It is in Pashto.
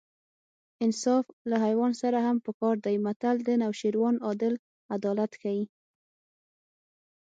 انصاف له حیوان سره هم په کار دی متل د نوشیروان عادل عدالت ښيي